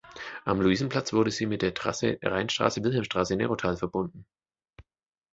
Am Luisenplatz wurde sie mit der Trasse Rheinstraße–Wilhelmstraße–Nerotal verbunden.